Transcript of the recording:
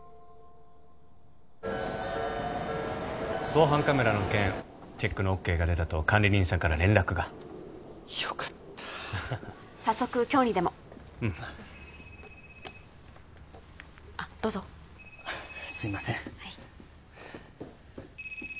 防犯カメラの件チェックのＯＫが出たと管理人さんから連絡がよかった早速今日にでもうんあっどうぞすいません